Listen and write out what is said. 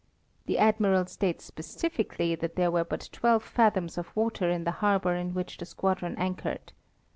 THe Admiral states specifically that there were but twelve fathoms of water in the harbor in which the squadron anchored.